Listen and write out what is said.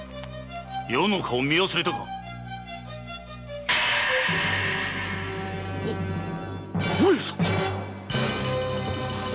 余の顔を見忘れたか‼上様！